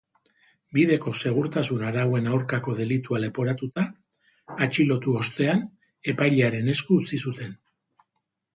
Bideko segurtasun-arauen aurkako delitua leporatuta atxilotu ostean, epailearen esku utzi zuten.